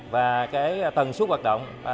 và tần suốt hoạt động